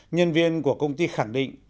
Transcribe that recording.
nhân viên của công ty khẳng định